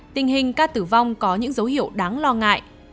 tình hình ca tử vong có những dấu hiệu đáng lo ngại